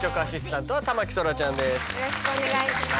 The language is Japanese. よろしくお願いします。